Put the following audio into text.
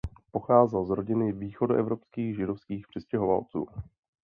Pocházel z rodiny východoevropských židovských přistěhovalců.